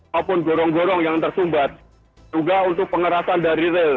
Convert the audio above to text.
maupun gorong gorong yang tersumbat juga untuk pengerasan dari rel